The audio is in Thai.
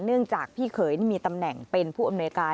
จากพี่เขยนี่มีตำแหน่งเป็นผู้อำนวยการ